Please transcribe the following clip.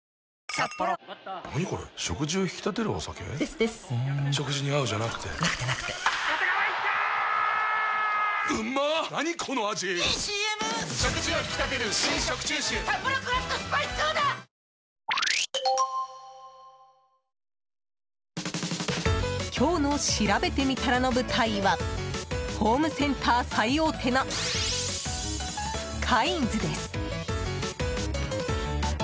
「サッポロクラフトスパイスソーダ」今日のしらべてみたらの舞台はホームセンター最大手のカインズです。